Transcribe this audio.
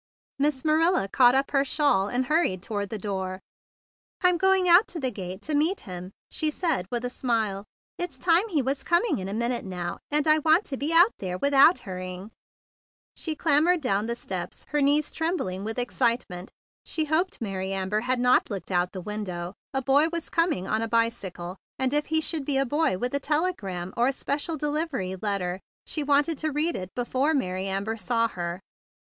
Miss Marilla caught up her cape, and hurried toward the door. "I'm going out to the gate to meet him," she said with a smile. "It's time he was coming in a minute now, and I want to be out there without hurrying." She clambered down the steps, her knees trembling with excitement. She i 17 THE BIG BLUE SOLDIER hoped Mary Amber had not looked out of the window. A. boy was coming on a bicycle; and, if he should be a boy * with a telegram or a special delivery letter, she wanted to read it before Mary Amiber saw her.